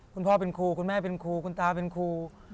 คุณพ่อเป็นครูคุณแม่เป็นครูคุณตาเป็นครู